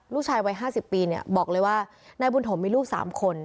ลูกชายวัยห้าสิบปีเนี่ยบอกเลยว่านายบุญถมมีลูกสามคน